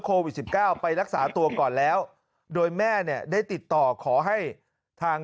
โควิดสิบเก้าไปรักษาตัวก่อนแล้วโดยแม่เนี่ยได้ติดต่อขอให้ทาง